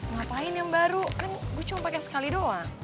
ngapain yang baru kan gue cuma pakai sekali doang